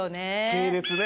系列ね